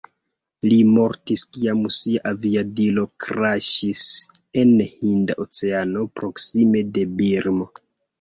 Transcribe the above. Li mortis kiam sia aviadilo kraŝis en Hinda Oceano proksime de Birmo.